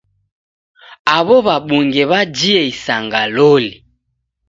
Aw'o w'abunge w'ajie isanga loli!